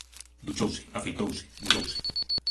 Duchouse, afeitouse, mudouse.